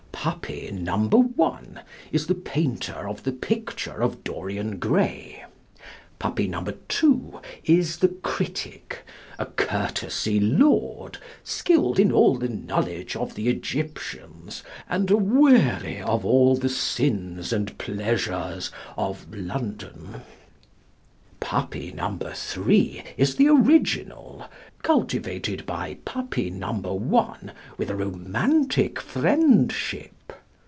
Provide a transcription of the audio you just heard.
Puppy No. 1 is the painter of the picture of Dorian Gray; Puppy No. 2 is the critic (a courtesy lord, skilled in all the knowledge of the Egyptians and aweary of all the sins and pleasures of London); Puppy No. 3 is the original, cultivated by Puppy No. 1 with a "romantic friendship".